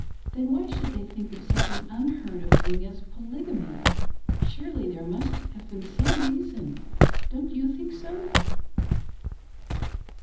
Then why should they think of such an unheard of thing as Polygamy — surely there must have been some reason. Don't you think so